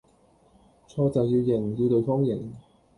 錯就要認，要對方認